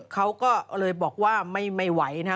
เขาก็เลยบอกว่าไม่ไหวนะ